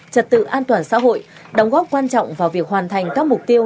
trật tự an toàn xã hội đóng góp quan trọng vào việc hoàn thành các mục tiêu